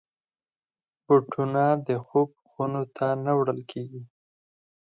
بوټونه د خوب خونو ته نه وړل کېږي.